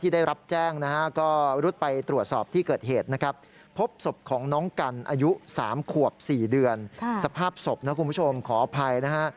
๔เดือนสภาพศพนะครับคุณผู้ชมขออภัยนะฮะ